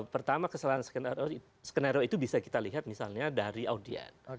pertama kesalahan skenario itu bisa kita lihat misalnya dari audien